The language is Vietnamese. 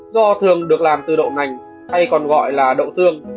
do thường được làm từ đậu nành hay còn gọi là đậu tương